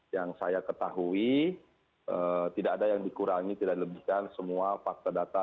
yang saya ketahui tidak ada yang dikurangi tidak dilebihkan semua fakta data